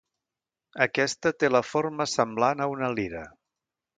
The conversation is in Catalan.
Aquesta té la forma semblant a una lira.